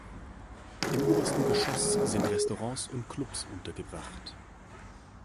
Im obersten Geschoss sind Restaurants und Clubs untergebracht.